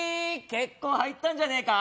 結構入ったんじゃねえか？